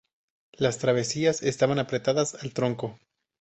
Las travesías estaban apretadas al tronco.